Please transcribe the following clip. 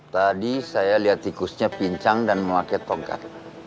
tadi saya lihat tikusnya pincang dan memakai tongkat